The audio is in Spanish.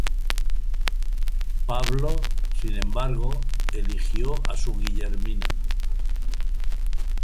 Pablo, sin embargo, eligió a su Guillermina.